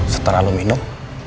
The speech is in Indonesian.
setelah lo minum